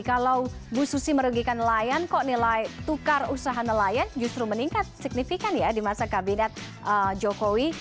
kalau bu susi merugikan nelayan kok nilai tukar usaha nelayan justru meningkat signifikan ya di masa kabinet jokowi